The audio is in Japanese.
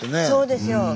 そうですよ。